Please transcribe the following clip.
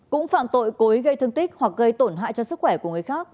cũng phạm tội cố ý gây thương tích hoặc gây tổn hại cho sức khỏe của người khác